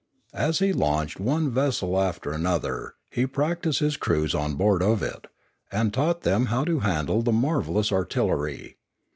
As he launched one vessel after another, he practised his crews on board of it, and taught them how to handle the marvellous artillery.